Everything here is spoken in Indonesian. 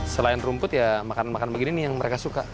selain rumput makan makan begini yang mereka suka